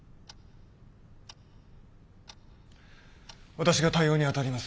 私が対応に当たります。